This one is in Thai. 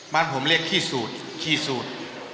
บ้านผมเรียกขี้สูตร